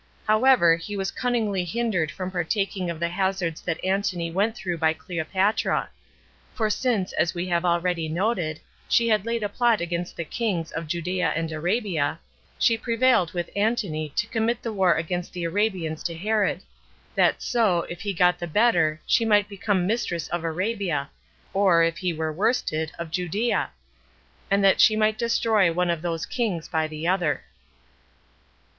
However, he was cunningly hindered from partaking of the hazards that Antony went through by Cleopatra; for since, as we have already noted, she had laid a plot against the kings [of Judea and Arabia], she prevailed with Antony to commit the war against the Arabians to Herod; that so, if he got the better, she might become mistress of Arabia, or, if he were worsted, of Judea; and that she might destroy one of those kings by the other.